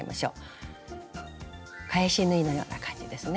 返し縫いのような感じですね。